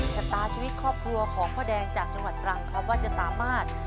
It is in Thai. ชะตาชีวิตครอบครัวของพ่อแดงจากจังหวัดตรังครับว่าจะสามารถ